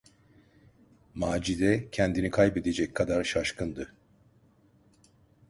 Macide kendini kaybedecek kadar şaşkındı.